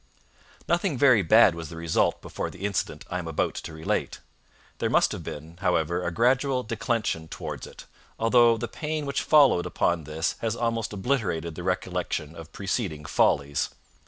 Nothing very bad was the result before the incident I am about to relate. There must have been, however, a gradual declension towards it, although the pain which followed upon this has almost obliterated the recollection of preceding follies.